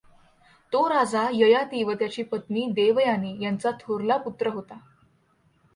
तो राजा ययाति व त्याची पत्नी देवयानी यांचा थोरला पुत्र होता.